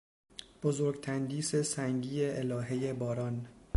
بزرگ تندیس سنگی الههی باران